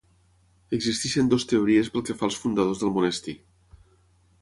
Existeixen dues teories pel que fa als fundadors del monestir.